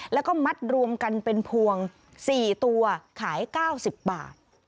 แล้วก็มัดรวมกันเป็นพวงสี่ตัวขายเก้าสิบบาท